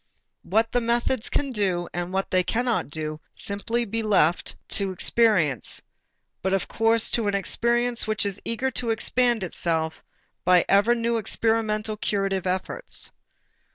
What the methods can do and what they cannot do must simply be left to experience, but of course to an experience which is eager to expand itself by ever new experimental curative efforts.